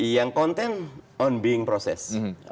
yang konten adalah proses